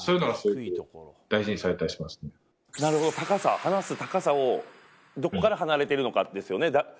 放す高さをどこから放れているのかですよね